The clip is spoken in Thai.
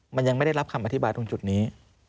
มันยังไม่ได้รับคำอธิบายตรงจุดนี้